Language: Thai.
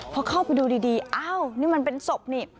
พอเข้าไปดูดีอ้าวนี่มันเป็นศพนี่